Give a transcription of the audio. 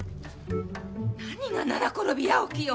何が七転び八起きよ。